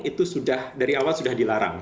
itu sudah dari awal sudah dilarang